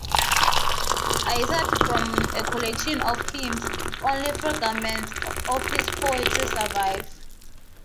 Aside from a collection of hymns, only fragments of his poetry survive.